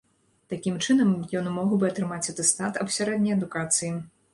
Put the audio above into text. Такім чынам ён мог бы атрымаць атэстат аб сярэдняй адукацыі.